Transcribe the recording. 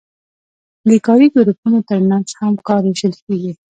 د کاري ګروپونو ترمنځ هم کار ویشل کیږي.